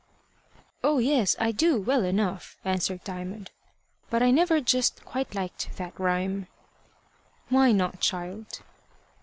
"Oh yes, I do, well enough," answered Diamond; "but I never just quite liked that rhyme." "Why not, child?"